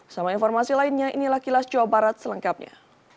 sama informasi lainnya inilah kilas coba rat selengkapnya